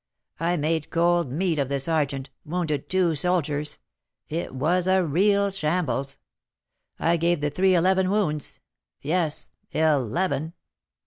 I made 'cold meat' of the sergeant, wounded two soldiers, it was a real shambles; I gave the three eleven wounds, yes, eleven.